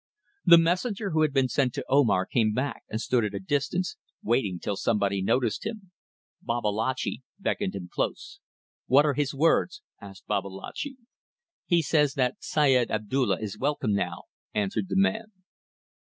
The messenger who had been sent to Omar came back and stood at a distance, waiting till somebody noticed him. Babalatchi beckoned him close. "What are his words?" asked Babalatchi. "He says that Syed Abdulla is welcome now," answered the man.